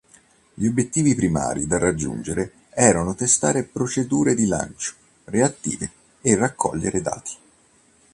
Gli obiettivi primari da raggiungere erano testare procedure di lancio reattive e raccogliere dati.